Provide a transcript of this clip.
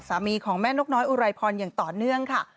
สามีของแม่นกน้อยอุไรพรอย่างต่อเนื่องค่ะ